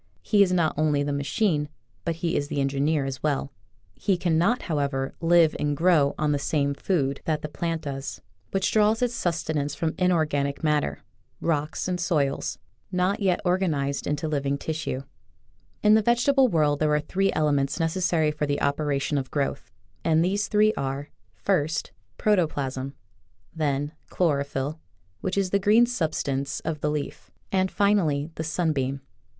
He is not only the machine but he is the engineer as well. He cannot, however, live and grow on the same food that the. Original from UNIVERSITY OF WISCONSIN Bnerflfi— Its "Relation to Xife. 51 plant does, which draws its sustenance from inorganic matter — rocks and soils, not yet or ganized into living tissue. In the vegetable world there are three ele ments necessary for the operation of growth, and these three are: First, protoplasm; then, chlorophyl, which is the green substance of the leaf; and, finally, the sunbeam.